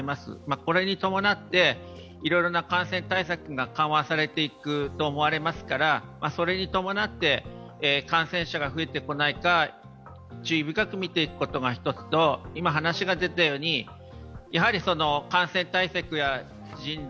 これに伴って、いろいろな感染対策が緩和されていくと思われますから、それに伴って感染者が増えてこないか注意深く見ていくことが一つと感染対策や人流